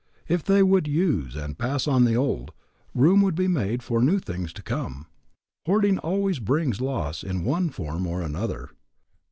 If they would use and pass on the old, room would be made for new things to come. Hoarding always brings loss in one form or another.